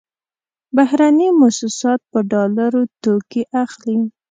بهرني موسسات په ډالرو توکې اخلي.